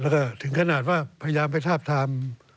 แล้วก็ถึงขนาดว่าพยายามไปทาบทาม